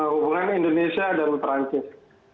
hubungan indonesia dan perancis